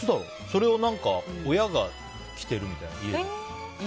それを親が着てるみたいな、家で。